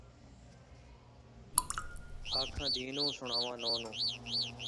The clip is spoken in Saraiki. ساکوں ساݙے پیر وَلا ݙے